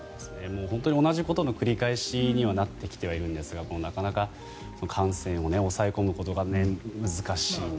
同じことの繰り返しにはなってきているんですがなかなか感染を抑え込むことが難しい。